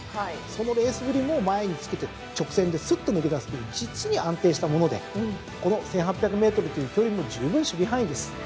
そのレースぶりも前につけて直線ですっと抜け出すという実に安定したものでこの１，８００ｍという距離もじゅうぶん守備範囲です。